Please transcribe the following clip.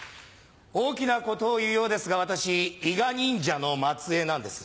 大きなことを言うようですが私伊賀忍者の末裔なんです。